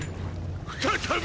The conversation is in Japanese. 再び！